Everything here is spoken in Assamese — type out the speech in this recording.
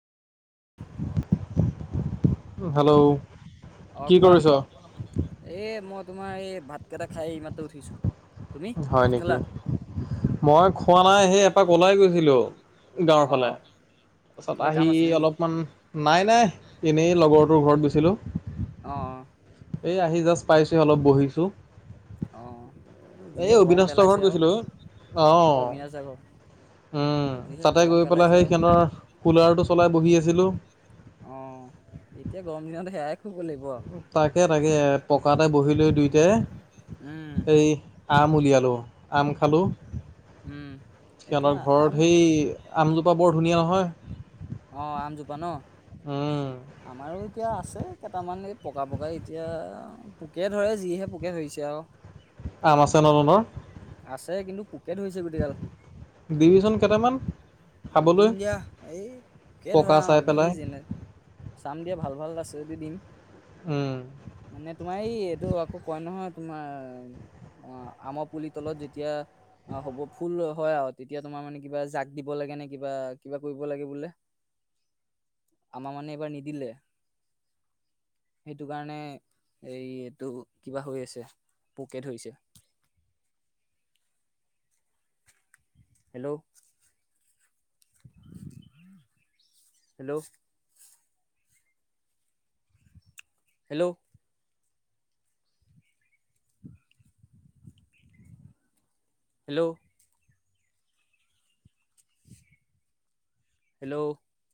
[inaudible] হেল্ল' অ কি কোৱা কৰিছ এ মই তোমাৰ এই ভাত কেইটা খাই এই মাত্ৰ উঠিছো তুমি হয় ভাত নেকি? খেলা মই খোৱা নাই সেই এপাক ওলাই গৈছিলোঁ গাঁৱৰ অ ফালে তাৰপাছত কিবা আহি কাম আছিল নেকি অলপমান নাই নাই এনেই লগৰটোৰ ঘৰত গৈছিলো অ' এই আহি জাষ্ট পাইছো অলপ বহিছোঁ অ' এই যিহে গৰম অবিনাশ পেলাইছে ঘৰত আৰু কৈছিলোঁ অ অবিনাশ দা ঘৰ উম যিহে তাতে গৰম গৈ পেলাই পেলাইছে সেই আৰু সেইখনৰ কুলাৰটো চলাই বহি আছিলোঁ। অ 'এতিয়া গৰম দিনত সেয়াই খুৱাব লাগিব আৰু। তাকে তাকে পকাতে বহি লৈ দুইতে উম এই আম উলিয়ালোঁ আম খালোঁ উম এতিয়া সিহঁতৰ ঘৰত আম সেই আমজোপা বৰ ধুনীয়া নহয় অ আমজোপা উম, ন আমাৰো এতিয়া আছে কেইটামান পকা পকাই এতিয়া পোকে ধৰে যিহে পোকে ধৰিছে আৰু। আম আছে [inaudible] আছে কিন্তু পোকে ধৰিছে গোটেই কাল দিবিচোন কেইটামান খাবলৈ দিম দিয়া এই তাকে পকা ধৰা চাই আমি পেলাই যেনে চাম দিয়া ভাল ভাল আছেদি দিম উম মানে তোমাৰ এই এইটো আকৌ কয় নহয় তোমাৰ আমৰ পুলি তলত যেতিয়া অ হ'ব ফুল হয় আৰু তেতিয়া তোমাৰ মানে কিবা জাগ দিব লাগে নে কিবা কিবা কৰিব লাগে বোলে আমাৰ মানে এইবাৰ নিদিলে সেইটো কাৰণে এই এইটো কিবা হৈ আছে পোকে ধৰিছে আ hello hello hello hello hello